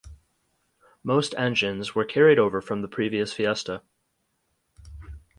Most engines were carried over from the previous Fiesta.